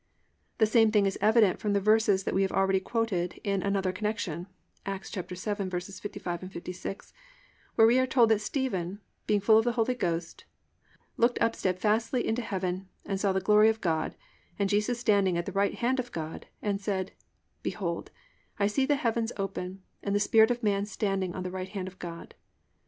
The same thing is evident from the verses that we have already quoted in another connection, Acts 7:55, 56, where we are told that Stephen +"being full of the Holy Ghost, looked up steadfastly into heaven and saw the glory of God, and Jesus standing at the right hand of God, and said, Behold, I see the heavens open, and the Son of man standing on the right hand of God."